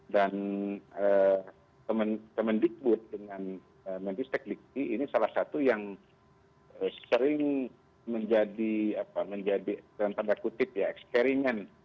dan kemendikbud dengan mendikbud ini salah satu yang sering menjadi dengan tanda kutip ya eksperimen